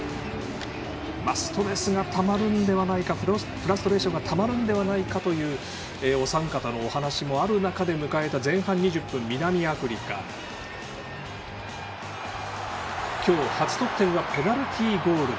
フラストレーションがたまるのではないかというお三方のお話もある中で迎えた前半２０分南アフリカ、今日初得点はペナルティーゴール。